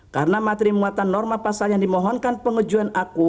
pertanyaan yang dianggap